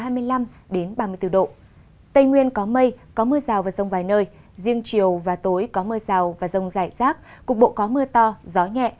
đà nẵng đến bình thuận có mây mưa rào và rông vài nơi riêng chiều và tối có mưa rào và rông dài xác cục bộ có mưa tỏ gió nhẹ